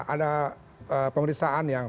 ada pemeriksaan yang